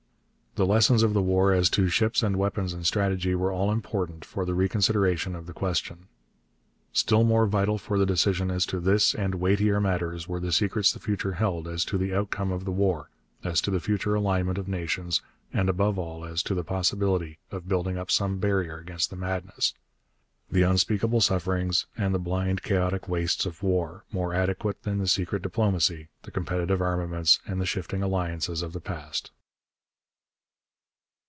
The lessons of the war as to ships and weapons and strategy were all important for the reconsideration of the question. Still more vital for the decision as to this and weightier matters were the secrets the future held as to the outcome of the war, as to the future alignment of nations, and, above all, as to the possibility of building up some barrier against the madness, the unspeakable sufferings, and the blind, chaotic wastes of war, more adequate than the secret diplomacy, the competitive armaments, and the shifting alliances of the past.